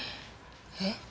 えっ？